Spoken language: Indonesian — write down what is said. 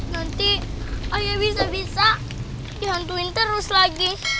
nanti ayah bisa bisa dihantuin terus lagi